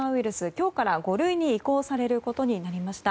今日から５類に移行されることになりました。